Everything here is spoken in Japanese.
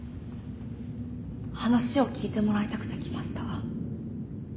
話を聞いてもらいたくて来ました。